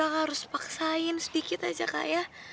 harus paksain sedikit aja kak ya